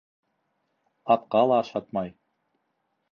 Атҡа ла ашатмай.